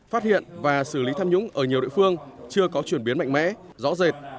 phát hiện và xử lý tham nhũng ở nhiều địa phương chưa có chuyển biến mạnh mẽ rõ rệt